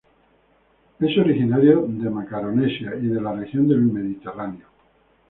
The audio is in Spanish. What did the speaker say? Es originario de Macaronesia y de la región del Mediterráneo.